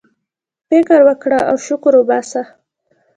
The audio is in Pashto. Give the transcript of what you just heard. فكر وكره او شكر وباسه!